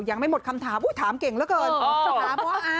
ยังไม่หมดคำถามถามเก่งแล้วเกิน